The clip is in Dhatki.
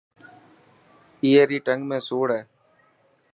اي ري ٽنگ ۾ سوڙ هي.